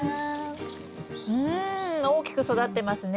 うん大きく育ってますね。